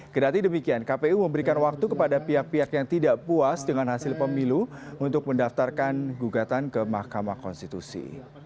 kedati demikian kpu memberikan waktu kepada pihak pihak yang tidak puas dengan hasil pemilu untuk mendaftarkan gugatan ke mahkamah konstitusi